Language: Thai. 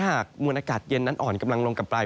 หากมวลอากาศเย็นนั้นอ่อนกำลังลงกลับไป